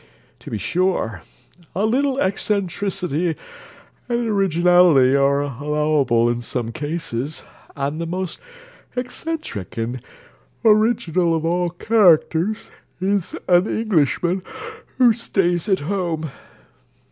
To be sure, a little eccentricity and originality are allowable in some cases; and the most eccentric and original of all characters is an Englishman who stays at home.